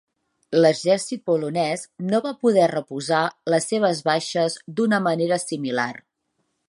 L'exèrcit polonès no va poder reposar les seves baixes d'una manera similar.